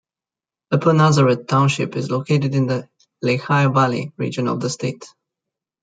Upper Nazareth Township is located in the Lehigh Valley region of the state.